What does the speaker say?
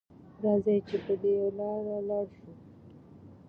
راځئ چې په دې لاره لاړ شو.